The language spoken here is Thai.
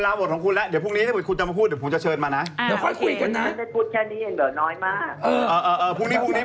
อ่าโอเคมันจะพูดแค่นี้แต่ว่าน้อยมากพรุ่งนี้